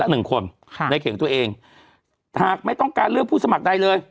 หากไม่ต้องการเลือกผู้สมัครใดเลย